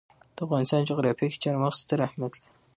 د افغانستان جغرافیه کې چار مغز ستر اهمیت لري.